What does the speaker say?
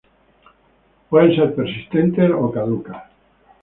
Pueden ser persistentes o caducas.